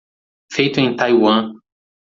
Feito em Taiwan.